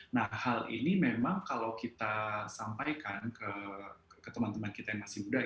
nah hal ini memang kalau kita sampaikan ke teman teman kita yang masih muda